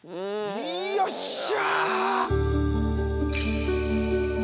よっしゃ！